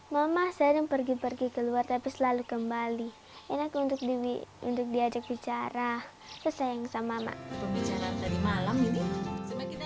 mama sering pergi pergi keluar tapi selalu kembali enak untuk diajak bicara saya sayang sama mama